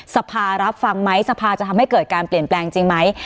สภารับฟังไหมสภาจะทำให้เกิดการเปลี่ยนแปลงจริงไหม